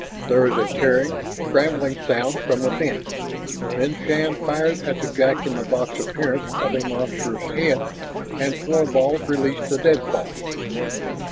There was a tearing, scrambling sound from within. Then Shann fired at the jack in the box appearance of a monstrous head, and Thorvald released the deadfall.